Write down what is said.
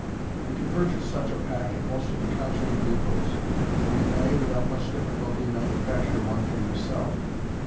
You can pur chase such a pack at most of the conjuring dep6ts, or you may. with out much difficulty, manufacture one for yourself.